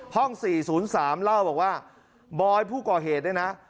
ห้องสี่ศูนย์สามเล่าบอกว่าบอยผู้ก่อเหตุนะฮะ